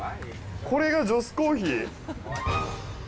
これがジョスコーヒー？